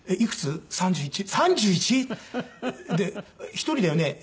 「一人だよね？」